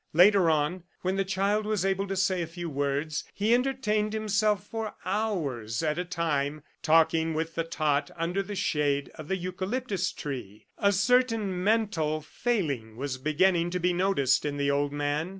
Later on, when the child was able to say a few words, he entertained himself for hours at a time talking with the tot under the shade of the eucalyptus tree. A certain mental failing was beginning to be noticed in the old man.